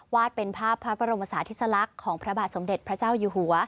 เป็นภาพพระบรมศาธิสลักษณ์ของพระบาทสมเด็จพระเจ้าอยู่หัว